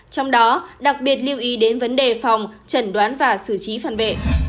trong đó đặc biệt lưu ý đến vấn đề phòng trần đoán và xử trí phản vệ